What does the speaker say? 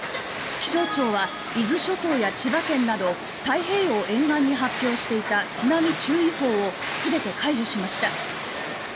気象庁は伊豆諸島や千葉県など太平洋沿岸に発表していた津波注意報をすべて解除しました。